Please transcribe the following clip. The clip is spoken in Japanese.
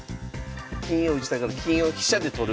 金を打ちだから金を飛車で取る。